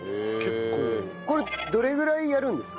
これどれぐらいやるんですか？